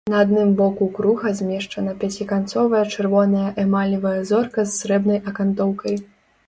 На адным боку круга змешчана пяціканцовая чырвоная эмалевая зорка з срэбнай акантоўкай.